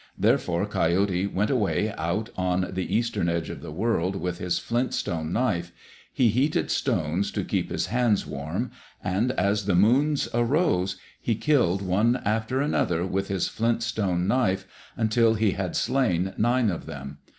Therefore Coyote went away out on the eastern edge of the world with his flint stone knife. He heated stones to keep his hands warm, and as the Moons arose, he killed one after another with his flint stone knife, until he had slain nine of them.